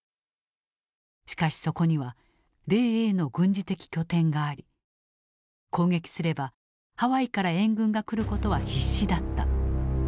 しかしそこには米英の軍事的拠点があり攻撃すればハワイから援軍が来ることは必至だった。